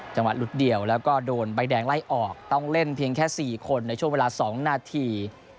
หลุดเดี่ยวแล้วก็โดนใบแดงไล่ออกต้องเล่นเพียงแค่๔คนในช่วงเวลา๒นาที